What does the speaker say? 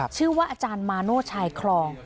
ชื่อว่าอาจารย์มาโน่ชายคลอง